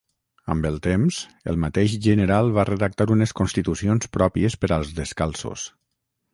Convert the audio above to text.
Amb el temps, el mateix general va redactar unes constitucions pròpies per als descalços.